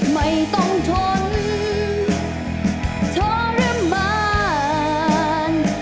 ไม่ต้องทนทรมาน